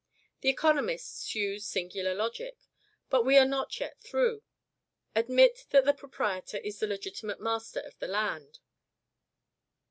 The economists use singular logic. But we are not yet through. Admit that the proprietor is the legitimate master of the land.